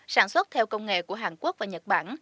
sản xuất theo công nghệ của hàn quốc và nhật bản